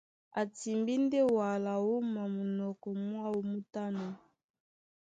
A timbí ndé wala wúma munɔkɔ mwáō mú tánɔ̄.